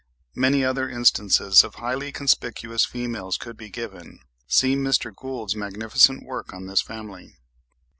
Many other instances of highly conspicuous females could be given. See Mr. Gould's magnificent work on this family.)